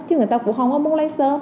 chứ người ta cũng không có muốn lấy sớm